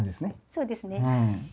そうですね。